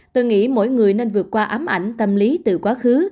tôi nghĩ mỗi người nên vượt qua ám ảnh tâm lý từ quá khứ